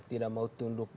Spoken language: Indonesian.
tidak mau tunduk